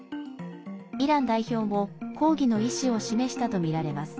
イラン代表も抗議の意志を示したと見られます。